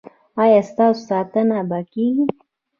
ایا ستاسو ساتنه به کیږي؟